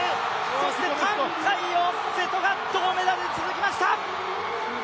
そして覃海洋、瀬戸が銅メダル、続きました。